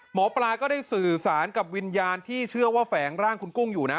หมอปลาก็ได้สื่อสารกับวิญญาณที่เชื่อว่าแฝงร่างคุณกุ้งอยู่นะ